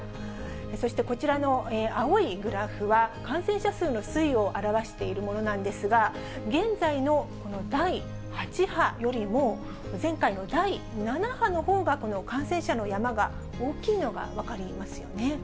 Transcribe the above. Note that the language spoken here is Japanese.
そして、こちらの青いグラフは、感染者数の推移を表しているものなんですが、現在の第８波よりも、前回の第７波のほうが、この感染者の山が大きいのが分かりますよね。